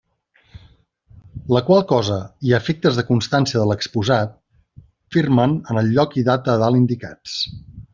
La qual cosa i a efectes de constància de l'exposat firmen en el lloc i data a dalt indicats.